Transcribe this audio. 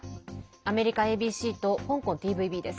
アメリカＡＢＣと香港ＴＶＢです。